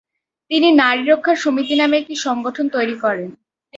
তিনি ‘নারী রক্ষা সমিতি’ নামে একটি সংগঠন তৈরি করেন।